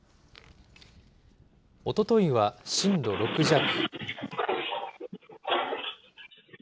おとといは震度６弱。